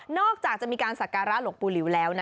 จากจะมีการสักการะหลวงปู่หลิวแล้วนะ